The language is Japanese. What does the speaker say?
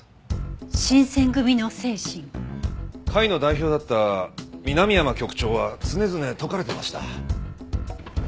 会の代表だった南山局長は常々説かれていました。